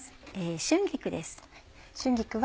春菊です。